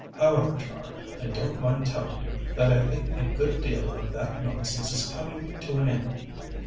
However, Char, I don't mind telling you that I think a good deal of that nonsense is coming to an end.